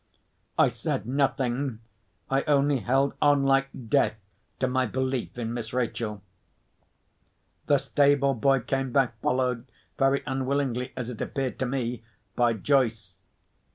I said nothing. I only held on like death to my belief in Miss Rachel. The stable boy came back, followed—very unwillingly, as it appeared to me—by Joyce.